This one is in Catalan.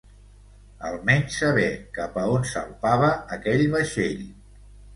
Almenys saber cap a on salpava aquell vaixell.